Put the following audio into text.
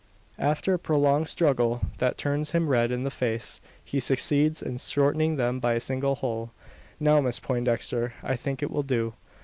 After a prolonged struggle, that turns him red in the face, he succeeds in shortening them by a single hole. "Now, Miss Poindexter; I think it will do."